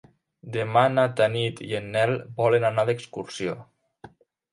Demà na Tanit i en Nel volen anar d'excursió.